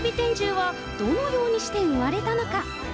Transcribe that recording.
重はどのようにして生まれたのか。